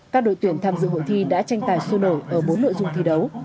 các đội tuyển tham dự hội thi đã tranh tài sôi nổi ở bốn nội dung thi đấu